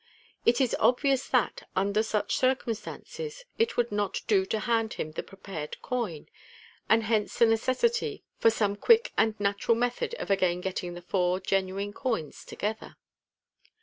It is obvious that, under such circumstances, it would not do to hand him the prepared coin, and hence the necessity for ome quick and natural method of again getting the four genuine coins together.